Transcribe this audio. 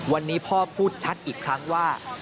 วันนี้พ่อพูดชัดอีกครั้งว่า